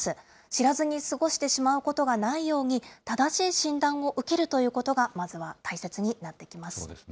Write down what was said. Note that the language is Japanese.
知らずに過ごしてしまうことがないように、正しい診断を受けるということが、まずは大切になってきます。